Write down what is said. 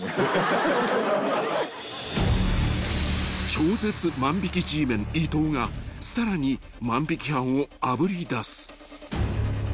［超絶万引Ｇメン伊東がさらに万引犯をあぶり出す］